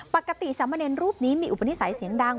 ปกติสามเมนีนรูปนี้มีอุปนิสัยเสียงดัง